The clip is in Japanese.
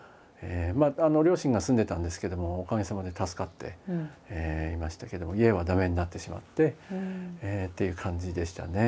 両親が住んでたんですけどもおかげさまで助かっていましたけども家は駄目になってしまってという感じでしたね。